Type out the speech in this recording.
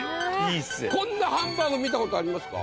こんなハンバーグ見たことありますか？